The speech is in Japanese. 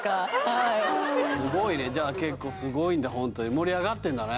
はいすごいねじゃあ結構すごいんだホントに盛り上がってんだね